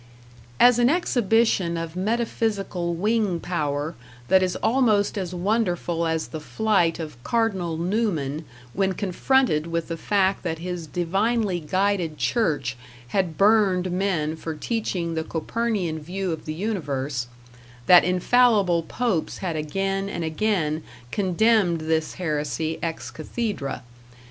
As an exhibition of metaphysical wing power, that is almost as wonderful as the flight of Cardinal Newman when confronted with the fact that his divinely guided church had burned men for teaching the Copernican view of the universe; that infallible popes had again and again condemned this heresy #ex cathedra#.